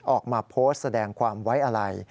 ออกมาโพสต์แสดงความไว้อะไร